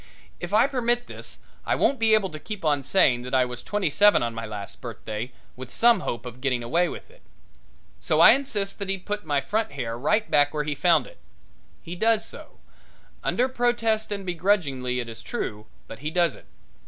If I permit this I won't be able to keep on saying that I was twenty seven on my last birthday, with some hope of getting away with it. So I insist that he put my front hair right back where he found it. He does so, under protest and begrudgingly, it is true, but he does it.